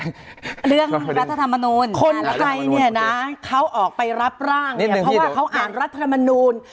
เรื่องรัฐธรรมนูลคนไทยเนี่ยนะเขาออกไปรับร่างเนี่ยเพราะว่าเขาอ่านรัฐธรรมนูล